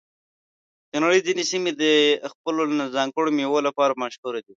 د نړۍ ځینې سیمې د خپلو ځانګړو میوو لپاره مشهور دي.